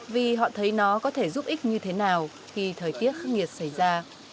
vì họ thấy nó có thể giúp ích như thế nào khi thời tiết khắc nghiệt xảy ra